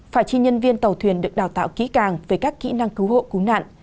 phải chi nhân viên tàu thuyền được đào tạo kỹ càng về các kỹ năng cứu hộ cứu nạn